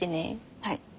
はい。